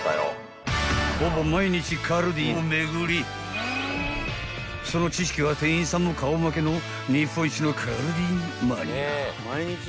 ［ほぼ毎日カルディを巡りその知識は店員さんも顔負けの日本一のカルディマニア］